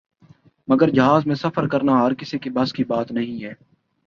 مگر جہاز میں سفر کرنا ہر کسی کے بس کی بات نہیں ہے ۔